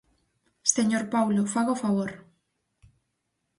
¡Señor Paulo!, faga o favor.